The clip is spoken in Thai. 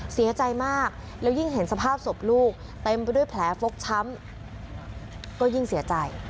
เสียใจมากแล้วยิ่งเห็นสภาพศพลูกเต็มไปด้วยแผลฟกช้ำก็ยิ่งเสียใจ